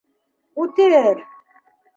Үтер.